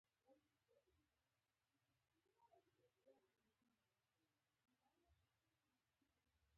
ایا ته غواړې چې د سپینو زرو سکه وګټې.